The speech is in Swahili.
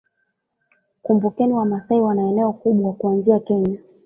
Kumbukeni Wamasai wana eneo kubwa kuanzia Kenya